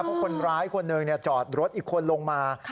บางคนร้ายคนเนอร์จอดรถอีกคนลงมา